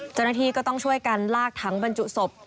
เจ้าหน้าที่ก็ต้องช่วยกันลากถังบรรจุศพ